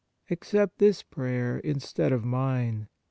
Accept this prayer instead of mine.